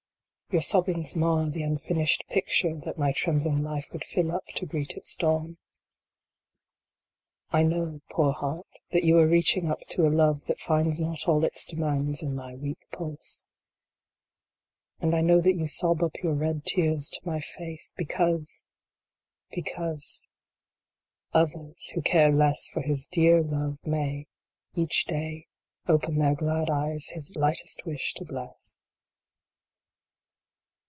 Your sobbings mar the unfinished picture that my trem bling life would fill up to greet its dawn. I know, poor heart, that you are reaching up to a Love that finds not all its demands in thy weak pulse. And I know that you sob up your red tears to my face, because because others who care less for his dear Love may, each day, open their glad eyes his lightest wish to bless.